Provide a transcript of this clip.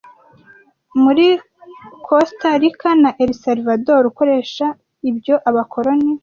Muri Kosta Rika na El Salvador ukoresha ibyo Abakoloni